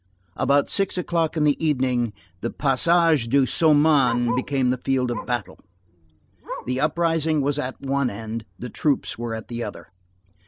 About six o'clock in the evening, the Passage du Saumon became the field of battle. The uprising was at one end, the troops were at the other.